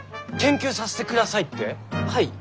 はい。